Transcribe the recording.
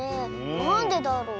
なんでだろう？